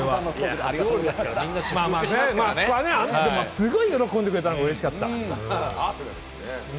すごい喜んでくれたのが嬉しかった。